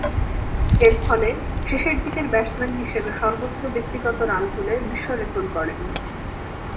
এরফলে শেষের দিকের ব্যাটসম্যান হিসেবে সর্বোচ্চ ব্যক্তিগত রান তুলে বিশ্বরেকর্ড গড়েন।